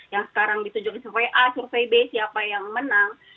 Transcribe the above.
yang sekarang ditunjuk survei a survei b siapa yang menang